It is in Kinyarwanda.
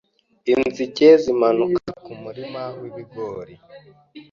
Inzige zimanuka kumurima wibigori.